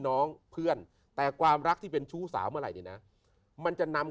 น้องเพื่อนแต่ความรักที่เป็นชู้สาวเมื่อไหร่เนี่ยนะมันจะนำ